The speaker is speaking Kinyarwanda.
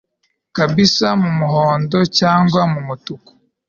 kibisi, mu muhondo cyangwa mu mutuku